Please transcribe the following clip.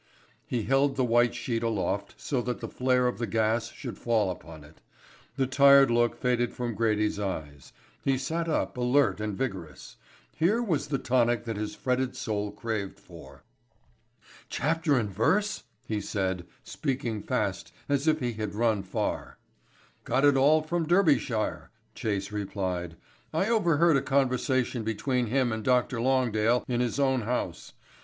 He held the white sheet aloft so that the flare of the gas should fall upon it. The tired look faded from Grady's eyes; he sat up alert and vigorous. Here was the tonic that his fretted soul craved for. "Chapter and Verse?" he said, speaking fast as if he had run far. [Illustration: "I overheard a conversation between him and Doctor Langdale."] "Got it all from Derbyshire," Chase replied. "I overheard a conversation between him and Doctor Longdale in his own house.